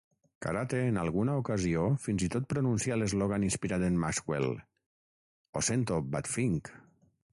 Karate en alguna ocasió fins i tot pronuncia l'eslògan inspirat en Maxwell: "Ho sento, Batfink".